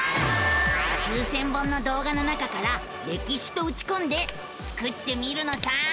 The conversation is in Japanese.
９，０００本の動画の中から「歴史」とうちこんでスクってみるのさ！